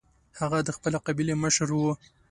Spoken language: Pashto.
هغه د خپلې قبیلې مشر و.